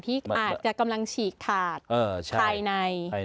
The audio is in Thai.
ที่อาจจะกำลังฉีกขาดภายใน